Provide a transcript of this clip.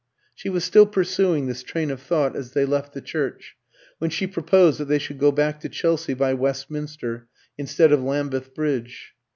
She was still pursuing this train of thought as they left the church, when she proposed that they should go back to Chelsea by Westminster instead of Lambeth Bridge.